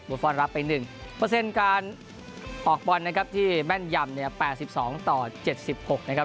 บุฟฟอลรับไป๑เปอร์เซ็นต์การออกบอลนะครับที่แม่นยำเนี่ย๘๒ต่อ๗๖นะครับ